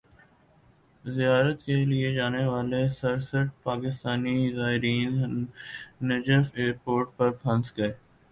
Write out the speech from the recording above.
زیارت کیلئے جانے والے سرسٹھ پاکستانی زائرین نجف ایئرپورٹ پر پھنس گئے